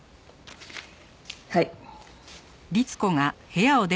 はい。